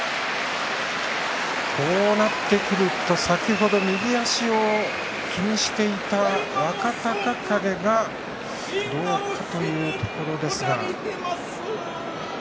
こうなってくると先ほど右足を気にしていた若隆景がどうかというところですが。